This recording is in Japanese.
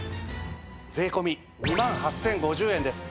税込２万８０５０円です！